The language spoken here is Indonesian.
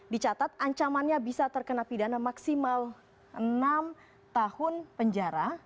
dicatat ancamannya bisa terkena pidana maksimal enam tahun penjara